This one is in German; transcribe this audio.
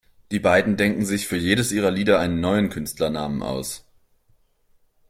Die beiden denken sich für jedes ihrer Lieder einen neuen Künstlernamen aus.